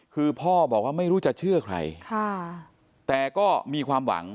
คือพ่อบอกว่าไม่รู้จะเชื่อใครแต่ก็มีความหวัง